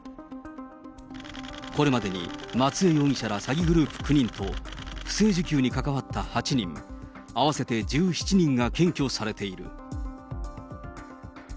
これまでに松江容疑者ら詐欺グループ９人と、不正受給に関わった８人、合わせて１７人が検挙されている。